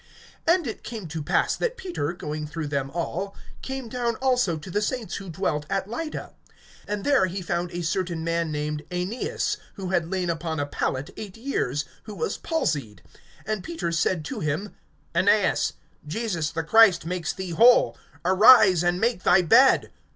(32)And it came to pass that Peter, going through them all, came down also to the saints who dwelt at Lydda. (33)And there he found a certain man named Aeneas, who had lain upon a pallet eight years, who was palsied. (34)And Peter said to him: Aeneas, Jesus the Christ makes thee whole; arise, and make thy bed.